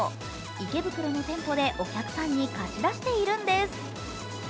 池袋の店舗でお客さんに貸し出しているんです。